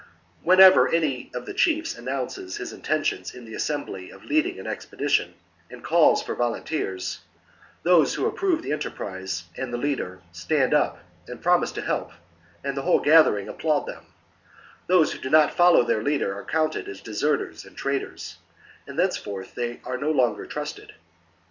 Whenever any of the chiefs announces his inten tion in the assembly of leading an expedition, and calls for volunteers, those who approve the enterprise and the leader stand up and promise to help, and the whole gathering applaud them : those who do not follow their leader are counted as deserters and traitors, and thenceforth they are no longer trusted.